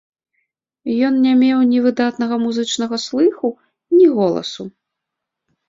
Ён не меў ні выдатнага музычнага слыху, ні голасу.